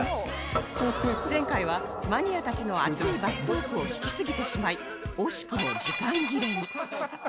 前回はマニアたちの熱いバストークを聞きすぎてしまい惜しくも時間切れに